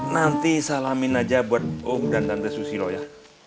nanti salamin aja buat om dan tante susilo ya